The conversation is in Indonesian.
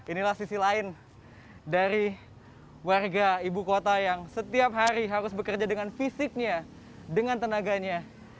inilah sisi lain dari warga ibu kota yang setiap hari harus bekerja dengan fisiknya dengan tenaganya